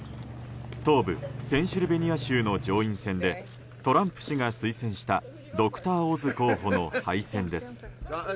東部ペンシルベニア州の上院選でトランプ氏が推薦したドクター・オズ候補の敗戦です。